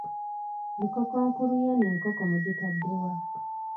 Nkokonkulu y'eno enkoko mu gitaddewa?